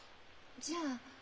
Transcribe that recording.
じゃあ？